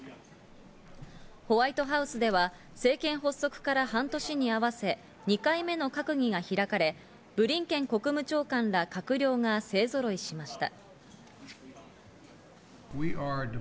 ホワイトハウスでは政権発足から半年に合わせ２回目の閣議が開かれ、ブリンケン国務長官ら閣僚が勢ぞろいしました。